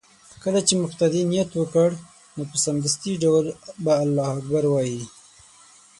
كله چې مقتدي نيت وكړ نو په سمدستي ډول به الله اكبر ووايي